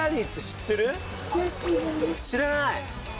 知らない。